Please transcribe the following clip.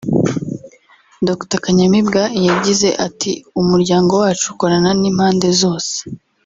Dr Kanyamibwa yagize ati ’’Umuryango wacu ukorana n’impande zose